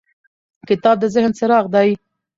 کتاب د ذهن څراغ دی.